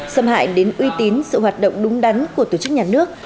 xâm hại đến uy tín sự hoạt động đúng đắn của tổ chức nhà nước